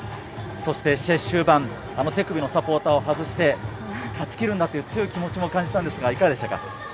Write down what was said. そして、試合終盤、あの手首のサポーターを外して、勝ちきるんだという強い気持ちも感じたんですが、いかがでしたか。